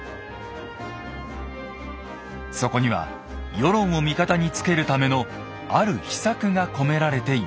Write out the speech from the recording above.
そこには世論を味方につけるためのある秘策が込められていました。